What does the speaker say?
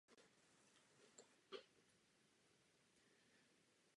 Každý člověk náleží do jedné ze dvou skupin.